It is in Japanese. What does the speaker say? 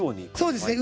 そうですね